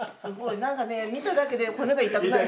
見ただけで骨が痛くなる。